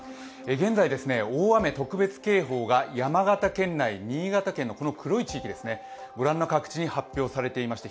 現在、大雨特別警報が山形県内、新潟県のこの黒い地域、御覧の各地に発表されています。